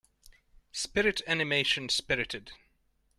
Spirit animation Spirited.